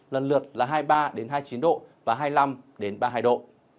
lần lượt là hai mươi ba hai mươi chín độ và hai mươi năm ba mươi hai độ